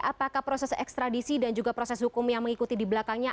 apakah proses ekstradisi dan juga proses hukum yang mengikuti di belakangnya